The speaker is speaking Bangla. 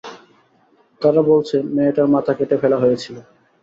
তারা বলছে মেয়েটার মাথা কেটে ফেলা হয়েছিলো।